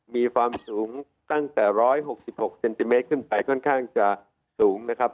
มีความสูงตั้งแต่๑๖๖เซนติเมตรขึ้นไปค่อนข้างจะสูงนะครับ